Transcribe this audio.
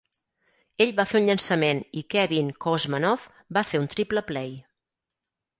Ell va fer un llançament i Kevin Kouzmanoff va fer un "triple play".